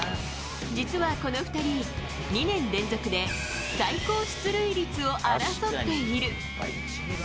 実はこの２人、２年連続で最高出塁率を争っている。